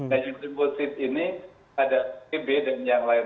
dan di limbosid ini ada tb dan yang lain